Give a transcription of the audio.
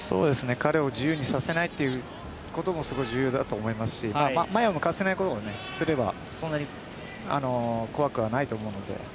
彼を自由にさせないことも重要だと思いますし前を向かせないようにすればそんなに怖くはないと思うので。